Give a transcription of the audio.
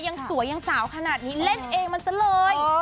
ยังสวยยังสาวขนาดนี้เล่นเองมันซะเลย